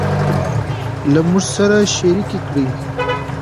له موږ سره شريکې کړي